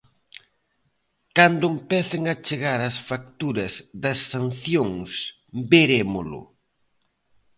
Cando empecen a chegar as facturas das sancións verémolo.